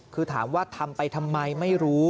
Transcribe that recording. คือถามว่าทำไปทำไมไม่รู้